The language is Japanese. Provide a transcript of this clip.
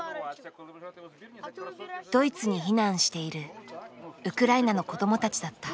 ドイツに避難しているウクライナの子どもたちだった。